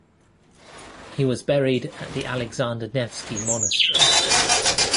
He was buried at the Alexander Nevsky Monastery.